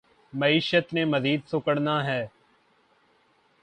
معیشت نے مزید سکڑنا ہے۔